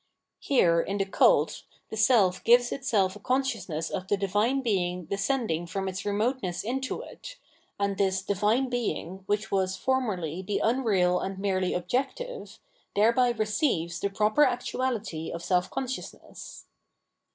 Here in the Cult, the self gives itself a consciousness of the Divine Being descending from its remoteness into it, and this Di'vine Being, which was formerly the unreal and merely objective, thereby receives the proper actuality of self consciousness.